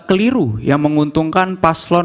keliru yang menguntungkan paslon